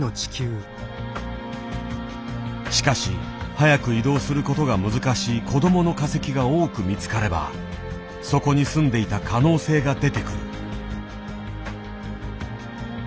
しかし速く移動する事が難しい子供の化石が多く見つかればそこに住んでいた可能性が出てくる。